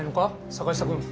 坂下君。